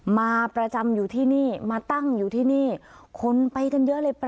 มาประจำอยู่ที่นี่มาตั้งอยู่ที่นี่คนไปกันเยอะเลย